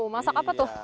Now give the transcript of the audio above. masak apa tuh